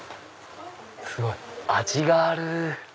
すごい！味がある。